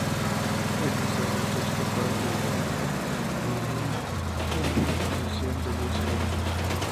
El instrumento es capaz de determinar el mediodía con una precisión de diez segundos.